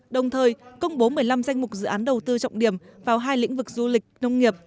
đồng thời công bố một mươi năm danh mục dự án đầu tư trọng điểm vào hai lĩnh vực du lịch nông nghiệp